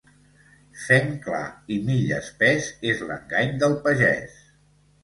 Fenc clar i mill espès és l'engany del pagès.